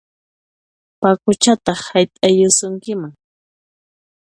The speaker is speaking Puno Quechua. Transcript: Paquchataq hayt'ayusunkiman!